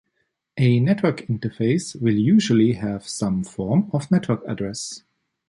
A network interface will usually have some form of network address.